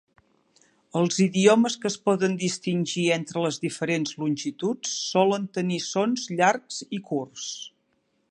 Els idiomes que es poden distingir entre les diferents longituds solen tenir sons llargs i curts.